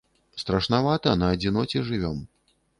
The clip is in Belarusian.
Страшнавата, на адзіноце жывём.